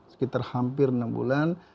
sekitar hampir enam bulan